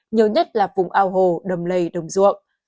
nhiều nhất là vùng ao hồ đầm lầy đồng ruộng